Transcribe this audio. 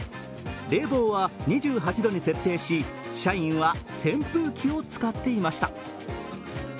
冷房は２８度に設定し社員は扇風機を使っていました。